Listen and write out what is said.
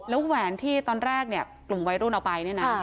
แล้วแหวนที่ตอนแรกเนี่ยกลุ่มวัยรุ่นเอาไปเนี่ยนะ